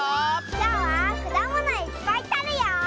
きょうはくだものいっぱいとるよ！